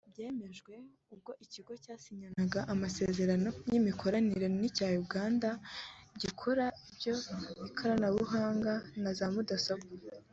Byemejwe ubwo iki kigo cyasinyanaga amasezerano y’imikoranire n’icyo muri Uganda gikora iby’ikoranabuhanga na za Mudasobwa